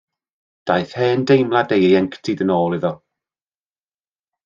Daeth hen deimlad ei ieuenctid yn ôl iddo.